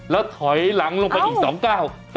แล้วถอยหลังลงไปอีกสองก้าว